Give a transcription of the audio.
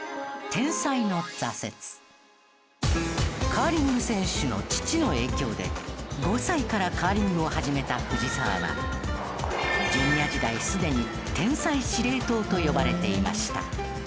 カーリング選手の父の影響で５歳からカーリングを始めた藤澤はジュニア時代すでに天才司令塔と呼ばれていました。